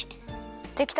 できた。